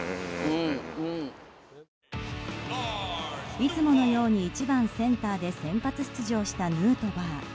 いつものように１番センターで先発出場したヌートバー。